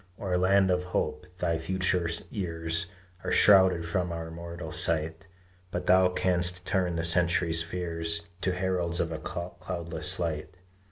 O land of hope! thy future years Are shrouded from our mortal sight; But thou canst turn the century's fears To heralds of a cloudless light!